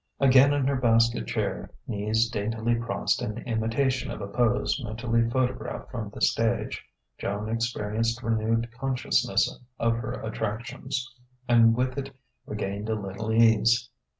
Again in her basket chair, knees daintily crossed in imitation of a pose mentally photographed from the stage, Joan experienced renewed consciousness of her attractions, and with it regained a little ease.